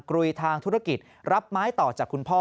ลุยทางธุรกิจรับไม้ต่อจากคุณพ่อ